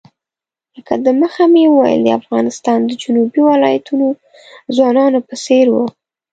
لکه د مخه مې وویل د افغانستان د جنوبي ولایتونو ځوانانو په څېر وو.